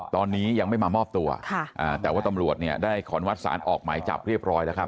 ตอนนี้ยังไม่มามอบตัวแต่ว่าตำรวจเนี่ยได้ขอนวัดสารออกหมายจับเรียบร้อยแล้วครับ